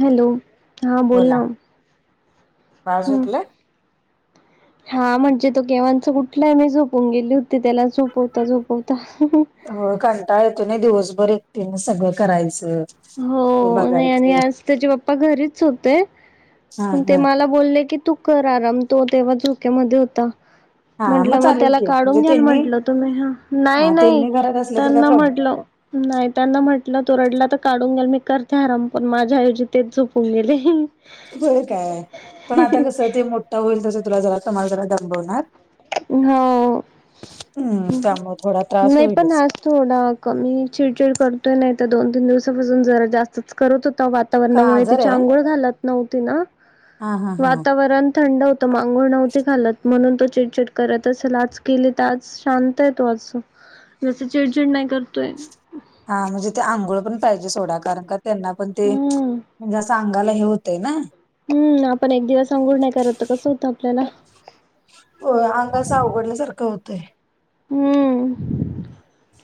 Hello, हा बोला. बाळ झोपलय? हा म्हणजे तो केवांच ऊठलाय मी झोपून गेली होती त्याला झोपवता झोपवता. अ कंटाळ येतो नाही. दिवसभर एकटीन सगळं करायचं! हो ते नाही आणि बघायचं आज त्याचे पप्पा घरीच होते. हा पण ते हा मला बोलले की तू कर आराम तो तेव्हा झोक्यामध्ये होता. हा म्हटलं मग चालेल त्याला की काढून म्हणजे घ्याल त्यांनी म्हटलं! तुम्ही ह नाही हा नाही त्यांनी घरात असले तर काय त्यांना प्रॉब्लेम म्हटलं नाही त्यांना म्हटलं तो रडला तर काढून घेल मी करते. आराम पण माझ्या ऐवजी तेच झोपून गेले. वय काय! पण आता कसं ते मोठं होईल तस तुला जरा तुम्हाला जरा दांबवणार हो हम्म त्यामुळे थोडा त्रास नाही पण होईलच आ ज थोडा कमी चिडचीड करतोय नाही. तर दोन तीन दिवसापासून जरा जास्तच करत होता. का वाताणामुळे आजार आहे आंघोळ घालत नव्हती ना! हा हा हा वातावरण थंड तर मग आंघोळ नव्हती खालत म्हणून तो जरा चडचिड करत असेल. आज केले तर आज शांत आहे. तो आज चिडचिड नाही करतोय. हा म्हणजे ते आंघोळ पण पाहिजे. सोडा कारण त्यांना पण ते हम्म म्हणजे अस अगाला हे होतय ना! हम्म आपण एक दिवस अंघोळ नाही करत कसं होतं. आपल्याला हो आंग अस अवघडण्यासारखं होतंय. हम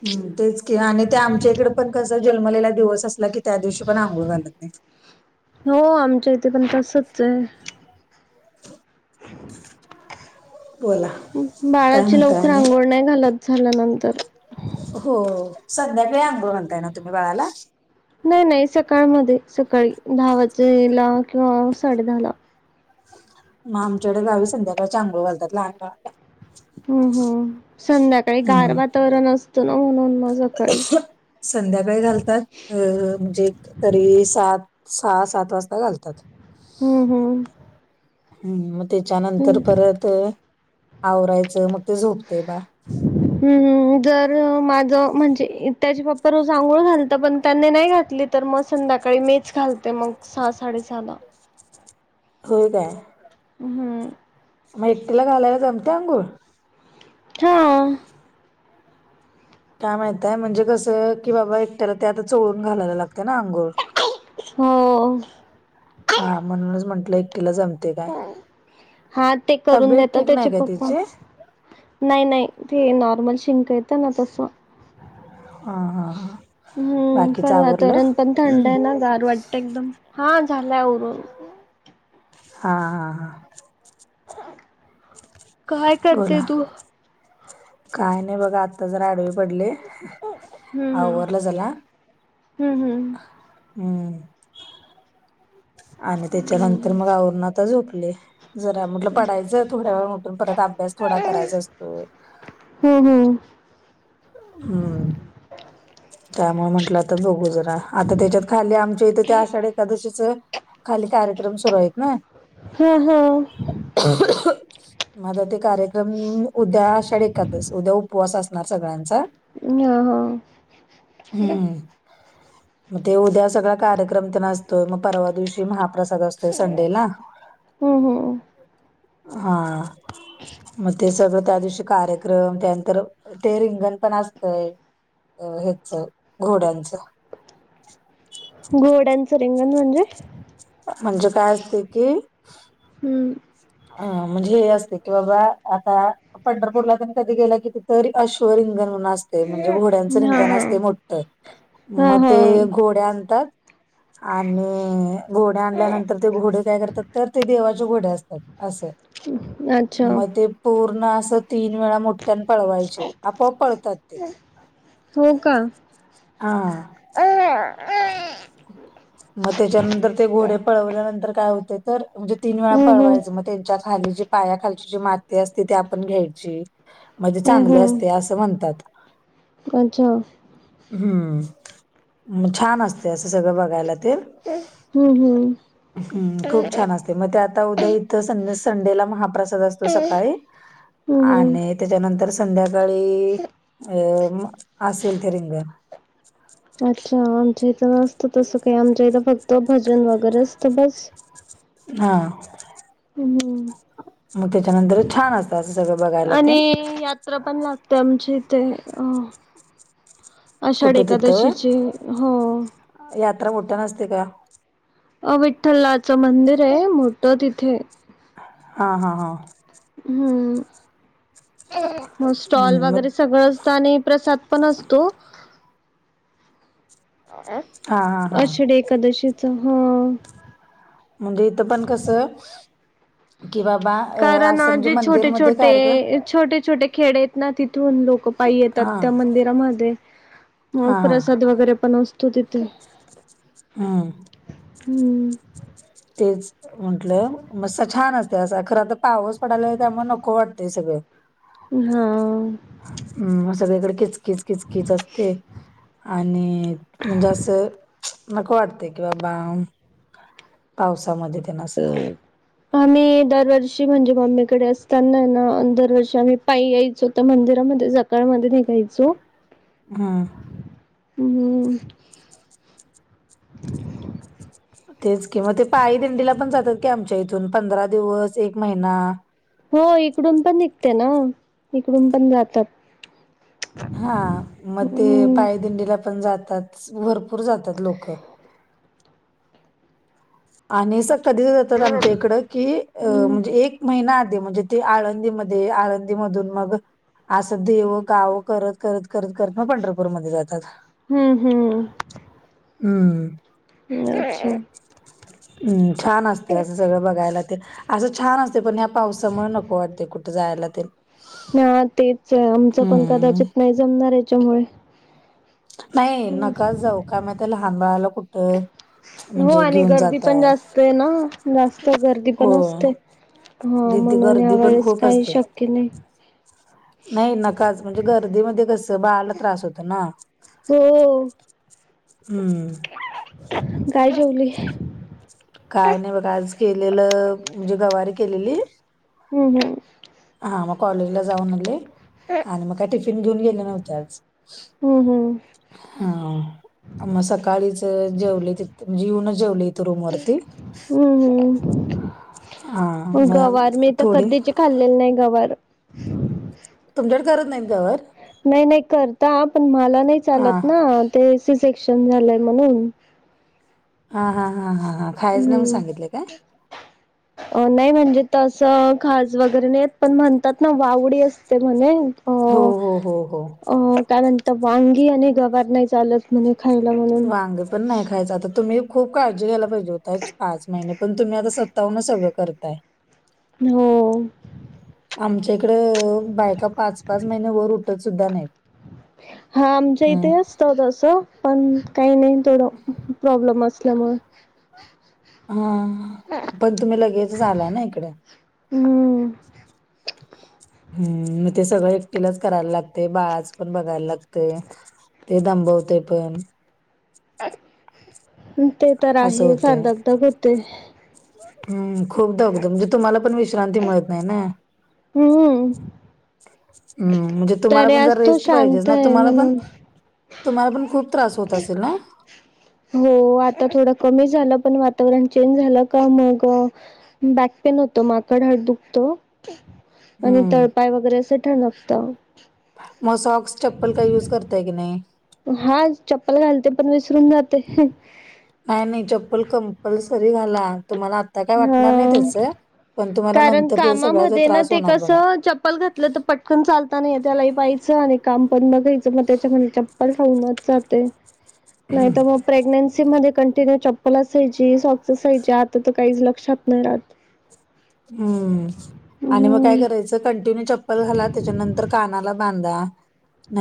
हम् तेच कि आणि ते आमच्या इकडे पण कस जन्मलेला दिवस असला की त्या दिवशी पण आंघोळ घालत नाही. हो आमच्या इथे पण तंसच हे [inaudible] बोला काय बाळाची म्हणताय लवकर आणि आंघोळ नाही घालत. झाल्यानंतर हो संध्याकाळी आंघोळ घालताना तुम्ही बाळाला? नाही नाही सकाळमध्ये सकाळी दहा वाजेला किंवा साडे दहाला मग आमच्याकडे गावी संध्याकाळी चांगळ घालतात. लहान बाळाला हं हं संध्याकाळी गार हम्म वातावरण असतना म्हणून मग सकाळी संध्याकाळी घालतात. अ म्हणजे तरी सात सहा सात वाजता घालतात. हम्म हम्म हम्म मग त्याच्यानंतर हम्म परत आवरायचं मग झोपते. बाळ हम्मम् जर माझ म्हणजे त्याचे बाप्पा रोज आंघोळ घालता पण त्यांनी नाही घातली. तर मग संध्याकाळी मीच घालते मग सहा साडे सहाला होय काय? हम म्हणजे तुला घालायला जमते आंघोळ! हा काय माहितये म्हणजे कसं की बाबा एकट्याला ते आता चोळून घालायला लागते. ना आंघोळ हो हा म्हणूनच म्हटलं एकटीला जमत हा ते करून तब्येत देता ठीक नाही त्याचे काय पप्पा तिची हा नाही नाही ते नॉर्मल शिक येतं ना तसं हा हा हम्म बाकीच पण आवरलं वातावरण पण थंड आहे. ना गार वाटतं एकदम हा झालाय आवरून हा हा हा काय करते बोला तू? काय नाही बघा आत्ता जरा आडवी पडले. हम्म आवरलं झला हम्म हम्म हम्म! आणि त्याच्यानंतर मग आवरून आता झोपले जरा म्हटलं पडायचं थोड्या वेळ उठून परत अभ्यास थोडा करायचा असतोय. हम्म हम्म! हम्म! त्यामुळं म्हटलं आता बघू जरा आता त्याच्यात खाली आमच्या इथं ते आषाढ एकादशीच खाली कार्यक्रम सुरू आहे. हा हा! [inaudible] माझा ते कार्यक्रम उद्या आषाढी एकादस उद्या उपवास असणार सगळ्यांचा हम्म हा हा! हम्म! म ते उद्या सगळा कार्यक्रम ते असतोय मग परवा दिवशी महाप्रसाद अस तोय संडेला हम्म हम्म हा. मग ते सगळं त्या दिवशी कार्यक्रम त्यानंतर ते रिंगण पण असतंय. अ हेच घोड्यांचं. घोड्यांचं रिंगण म्हणजे? म्हणजे काय असते की हम्म! अ म्हणजे हे असते की बाबा आता पंढरपूरला पण कधी गेला किती तरी अश्व रिंगन म्हणून असत ते म्हणजे घोड्यांचं हा रिंगण हा असतय मोठतं हा मग हा ते घोडे आणतात. आणि घोडे आणल्यानंतर ते घोडे काय करतात तर ते देवाचे घोडे असतात. असं अच्छा मग ते पूर्ण अस तीन वेळा मोठ्यान पळवायचे आपोआप पळतात ते हा! अ! म त्याच्यानंतर ते घोडे पळवल्यानंतर काय होते तर म्हणजे तीन वेळा हम्म हम्म पळवायचं मग त्यांच्या खाली जी पायाखालची जी माती असते ती आपण घ्यायची. म्हणजे हम्म चांगले हम्म असते असं म्हणतात. अच्छा! हम्म, छान असते असं सगळं बघायला ते. हम्म हम्म! हम्म खूप छान असते मग ते आता उद्या इथं सं संडेला महाप्रसाद अस तो सकाळी हम्म हम्म आणि त्याच्यानंतर संध्याकाळी अ असेल ते रिंगण. अच्छा, आमच्या इथं नसत तसं काही आमच्या इथं फक्त भजन वगैरे असत बस. हा हम्म मग त्याच्यानंतर छान असत असं सगळं बघायला ते. कुत्र पण लागते आमच्या इथे अ. आषाढ कुठं तिथं होय? एकादशीची हो. यात्रा मोठ्याने असते का? अ विठ्ठलाच मंदिर आहे मोठं तिथे. हा हा हा! हम्म, म स्टॉल हं, मग वगैरे सगळंच असतं आणि प्रसाद पण असतो. हां हां हां. आषाढी एकादशीचा, हा. म्हणजे इथं पण कस? की बाबा. अ कारण असं म्हणजे जे छोटे, मंदिरमध्ये कार्यक्रम छोटे, छोटे, छोटे खेडे आहेत ना? तिथून लोक. पा येतात. हां त्या मंदिरामध्ये मग हां हां. प्रसाद वगैरे पण असतो तिथे. हा. हो. तेच. म्हटलं मस्त छान असते अस, खरं तर पाऊस पडायला त्यामुळे नको वाटत सगळं. हा. हम् सगळीकडे किचकीच किचकीच असते. आणि म्हणजे असं नको वाटतय किंवा बाम पावसामध्ये त्यांन असं. आम्ही दरवर्षी म्हणजे मम्मीकडे असताना ना? दरवर्षी आम्ही पायी यायचो. तर मंदिरामध्ये जकाळ मध्ये निघायचो. हा. हम. तेच किं मग ते पायी दिंडीला पण जातात की आमच्या इथून पंधरा दिवस एक महिना. हो इकडून पण निघते ना? इकडून पण जातात. हा मग ते हम्म पायदिंडीला पण जातात भरपूर जातात लोक. आणि असं कधीच जातात आमच्या इकडं की अ हम्म म्हणजे एक महिना आधी म्हणजे ते आळंदीमध्ये, आळंदी मधून मग. असं देहुगाव करत, करत, करत, करत मग पंढरपूरमध्येध्ये जातात. हम्म हम्म. हम्म. अच्छा. हम्म, छान असते असं सगळं बघायला ते. असं छान असते पण ह्या पावसामुळे नको वाटते कुठं जायला तेन. ह तेच आहे आमचं पण हं, कदाचित नाही जमणार याच्यामुळे. नाही! नकाच जाऊ का माहित आहे? लहान बाळालं कुठं? हो म्हणजे आणि घेऊन गर्दी पण जाताय. जास्त आहे ना? जास्त गर्दी पण होय. असते. हा, तिथे म्हणून या गर्दी पण वेळेस खूप काही असते. शक्य नाही. नाही नकाच, म्हणजे गर्दीमध्ये कस? बाळाला त्रास होत ना. हो हम्म. काय जेवली? काय नाही बघा, आज केलेलं म्हणजे गवारी केलेली? हम्म. हा मग कॉलेजला जाऊन आले. आणि मग काय टिफिन घेऊन गेले नव्हते आज. हम्म हम्म हा मग सकाळीच जेवले तिथं म्हणजे येऊनच जेवले. इथं रूमवरती हम्म हा हम् मग गवार मी तर थोडी कधीचे खाल्लेलं नाही गवार तुमच्याकडे करत नाहीत गवार? नाही नाही करतात. पण मला नाही हा चालत ना? ते सी सेक्शन झालंय म्हणून हा हा हा हा ह खायच नाही म्हणून सांगितलंय काय? अ नाही म्हणजे तसं खाज वगैरे नाहीे येत, पण म्हणतात ना? वावडी असते म्हणे. अ हो हो हो हो. त वांगी आणि गवार नाही चालत म्हणे. खायला [unintelligible] वांग पण नाही खायच आता तुम्ही खूप काळजी घ्यायला पाहिजे होता [unintelligible] पाच महिने. पण तुम्ही आता स्वतःहूनच सगळं करताय. हो. आमच्या इकडं बायका पाच पाच महिने वर उठत सुद्धा नाही. हा आमच्या इथे असत तस पण काही नाही. थोड प्रॉब्लेम असल्यामुळ हा पण तुम्ही लगेचच आलाय ना इकड. [inaudible] हम्म हम्म मग ते सगळं एकटीलाच करायला लागतय बाळाच पण बघायला लागतय. ते दबवतंय पण. ते तर असं आहे होते फार दगदग होते. हम्म खूप दगदग म्हणजे तुम्हाला पण विश्रांती मिळत नाही ना. हम्म. हम्म म्हणजे तुम्हाला तरी पण आज जरा तो रेस्ट पाहिजेच शांत ना आहे तुम्हाला पण म्हणून. तुम्हाला पण खूप त्रास होत असेल ना. हो आता थोडं कमी झालं पण वातावरण चेंज झालं का मग बॅक पेन होत माकड हाड दुखत. आणि हम्म तळपाय वगैरे अस ठनकत. मग सॉक्स, चप्पल काही युज करताय की नाही. हा चप्पल घालते पण विसरून जाते. नाही नाही चप्पल कंपलसरी घाला तुम्हाला आ आता काय वाटणार नाही हा त्याच, पण तुम्हाला कारण नंतर त्याज सगळ्याचा त्रास होणार बघा. पल घातलं तर पटकन चालता नाही येत त्यालाही पायचं आणि काम पण बघायचं मग त्याच्या मध्ये चप पल राहूनच जातय. नाही तर मग प्रेग्नेन्सी मध्ये कंटिन्यू चप्पल असायची, सॉक्स असायची आता तर काहीच लक्षात नाही रात. हम्म आणि मग काय हम्म करायचं कंटिन्यू चप्पल घाला त्याच्यानंतर कानाला बांदा.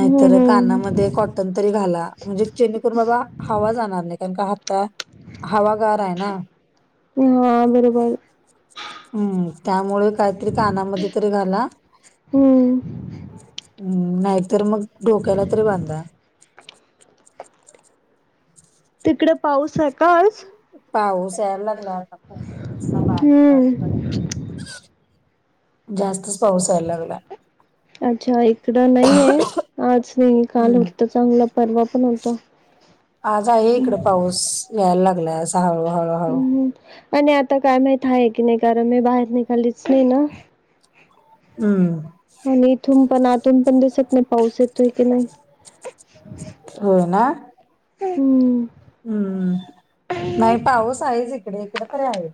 हम्म हम्म कानामध्ये कॉटन तरी घाला म्हणजे जेणे करून बाबा हवा जाणार नाही कारण का हाता हवा गार आहे ना. हा बरोबर. हम्म त्यामुळे काहीतरी कानामध्ये तरी घाला. हम्म हम्म नाहीतर मग डोक्याला तरी बांदा. तिकड पाऊस आहे का आज? पाऊस यायला लागला आता खूप हम्म [unintelligible] जास्तच पाऊस याय लागला. अच्छा एक [unintelligible] कडं नहीय आज [unintelligible] काल हम्म होतं चांगल पर्वा पण होतं. आज आहे इकडं पाऊ याय लागलाय असा हळूहळु. हम् आणि आता काय माहित आहे की नाही कारण मी बाहेर निघालीच नाही ना. हम्म. आणि इथून पण आतून पण दिसत नाही पाऊस येतोय की नाही हो ना. हम्म. हम्म नाही पाऊस आहेच इकडे इकडे तरी आहे.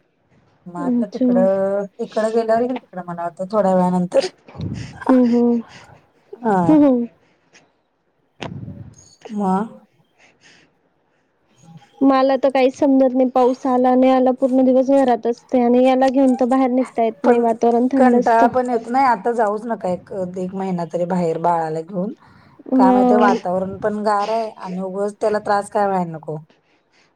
म आता अच्छा तिकडं तिकडं गेल्यावर तिकडं मला होतं थोड्या वेळानंतर हम्म हम्म. आ. हम्म हम्म. म मला तर काहीच समजत नाही पाऊस आला नाही आला पूर्ण दिवस घरातच आणि याला घेऊन तो बाहेर निघता येत नाही पण वातावरण थंड कंटाळा असतो पण येत नाही आता जाऊच नका एक एक महिना तरी बाहेर बाळाला घेऊन का हा माहिती वातावरण पण गारा आणि उगच त्याला त्रास काय व्हाय नको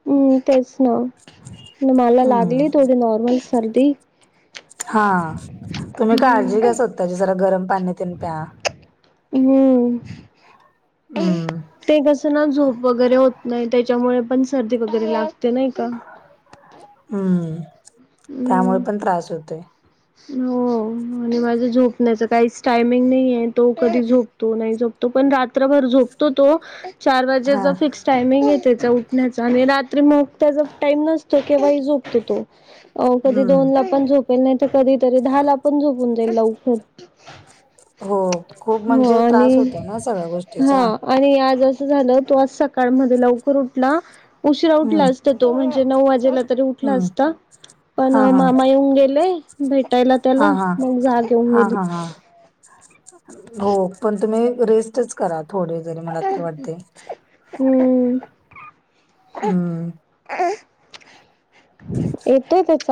हम्म तेच ना मला हम्म लागली थोडी नॉर्मल सर्दी हा तुम्ही काळजी हम्म घ्या स्वतःची जरा गरम पाण्या तून प्या हम्म. हम्म ते कसं ना झोप वगैरे होत नाही त्याच्यामुळे पण सर्दी वगैरे लागते नाही का हम्म त्यामुळे हम्म पण त्रास होतोय हो आणि माझं झोपण्याच काईच टायमिंग नई हे तो कधी झोप तो नाही झोपतो पण रात्रभर झोपतो तो चार हा वाजेचा फिक्स टायमिंग आहे त्याचा उठण्याचा आणि रात्री मग त्याचा टाइम नसतो केव्हाही झोपतो तो कधी हम्म दोनला पण झोपेल नाहीत कधीतरी दहाला पण झोपून जाईल लवकर हो खूप हो म्हणजे आणि त्रास होतो ना सगळ्या हा गोष्टीचा. आणि आज असं झालं तो आज सकाळमध्ये लवकर उठला उशीरा हम्म उठलाच ते तो म्हणजे नऊ वाजेला तरी उठला हम्म असता पण हा हा मामा येऊन गेले भेटायला हा त्याला हा मग जाग येऊन हा गेली हा हा हो पण तुम्ही रेस्टच करा थोडे जरी मला तरी वाटते. हम्म. हम्म.. येतोय